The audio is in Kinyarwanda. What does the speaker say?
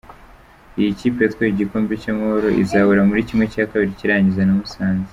Iyi kipe yatwaye Igikombe cy’Amahoro izahura muri ½ cy’irangiza na Musanze.